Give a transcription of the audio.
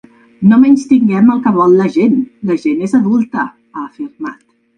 No menystinguem el que vol la gent, la gent és adulta, ha afirmat.